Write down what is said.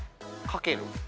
かける。